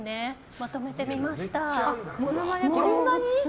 まとめてみました。